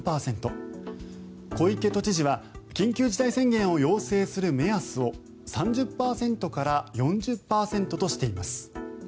小池都知事は緊急事態宣言を要請する目安を３０％から４０％としています。